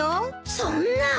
そんな！